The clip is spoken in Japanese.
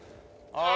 ああ！